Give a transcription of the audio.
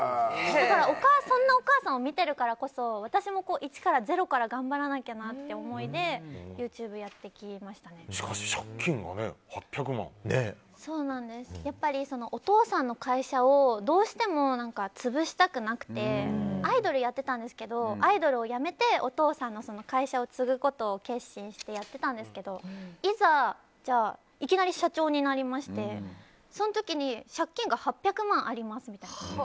だからそんなお母さんを見てるからこそ私も一から、ゼロから頑張らなきゃなって思いでしかし借金がねお父さんの会社をどうしても潰したくなくてアイドルやってたんですけどアイドルをやめてお父さんの会社を継ぐことを決心してやってたんですけどいきなり社長になりましてその時に借金が８００万円ありますみたいな。